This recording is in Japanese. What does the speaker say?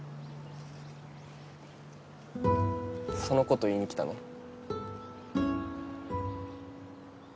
そのこと言いに来たの？